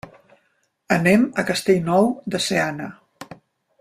Anem a Castellnou de Seana.